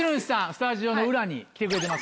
スタジオの裏に来てくれてますんで。